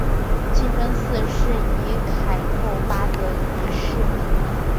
清真寺是以凯库巴德一世命名。